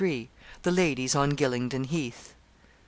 THE LADIES ON GYLINGDEN HEATH.